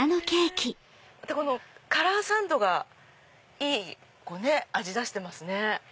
このカラーサンドがいい味出してますね。